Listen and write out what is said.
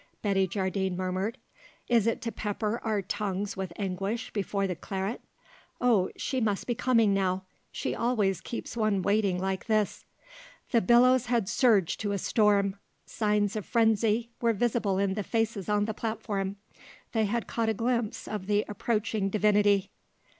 Betty Jardine murmured. "Is it to pepper our tongues with anguish before the claret? Oh, she must be coming now! She always keeps one waiting like this!" The billows had surged to a storm. Signs of frenzy were visible in the faces on the platform. They had caught a glimpse of the approaching divinity.